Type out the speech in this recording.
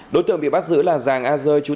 đối tượng bị bắt giữ là giàng a rơi chú tàu